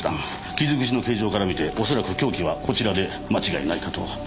傷口の形状から見ておそらく凶器はこちらで間違いないかと。